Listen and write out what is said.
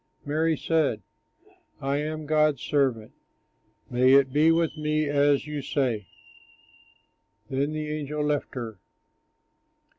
Mary said: "I am God's servant. May it be with me as you say." Then the angel left her.